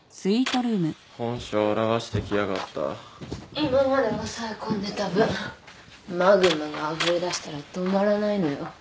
今まで押さえ込んでた分マグマがあふれ出したら止まらないのよ。